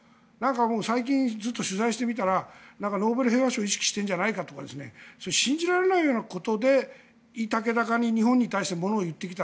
最近、ずっと取材してみたらノーベル平和賞を意識しているんじゃないかとか信じられないようなことで居丈高で日本に対してものを言ってきた。